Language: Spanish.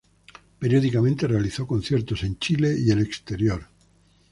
Periódicamente realizó conciertos en Chile y el exterior.